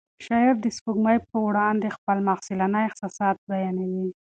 شاعر د سپوږمۍ په وړاندې خپل مخلصانه احساسات بیانوي.